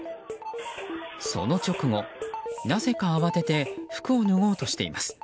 その直後、なぜか慌てて服を脱ごうとしています。